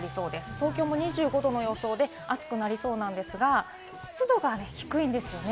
東京も２５度の予想で暑くなりそうですが、湿度が低いんですよね。